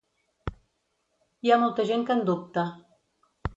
Hi ha molta gent que en dubta.